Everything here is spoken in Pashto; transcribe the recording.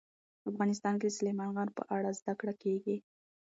افغانستان کې د سلیمان غر په اړه زده کړه کېږي.